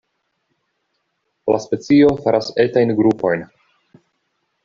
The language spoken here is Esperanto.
La specio faras etajn grupojn.